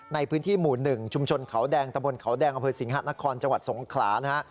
ในพื้นที่หมู่๑ชุมชนเขาแดงตะบลเขาแดงอสิงหะนครจสงขลานะฮะ